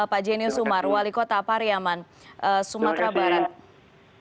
pak jenius umar wali kota pariaman sumatera barat